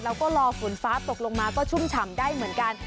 แล้วก็รอฝนฟ้าตกลงมาก็ชุ่มฉ่ำได้เหมือนกัน